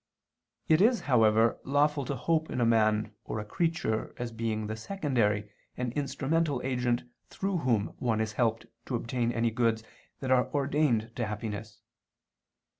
It is, however, lawful to hope in a man or a creature as being the secondary and instrumental agent through whom one is helped to obtain any goods that are ordained to happiness.